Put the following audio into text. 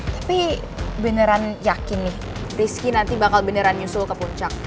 tapi beneran yakin nih rizky nanti bakal beneran nyusul ke puncak